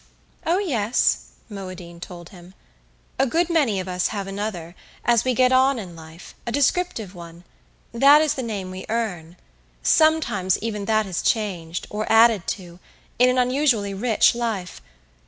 "Oh yes," Moadine told him. "A good many of us have another, as we get on in life a descriptive one. That is the name we earn. Sometimes even that is changed, or added to, in an unusually rich life.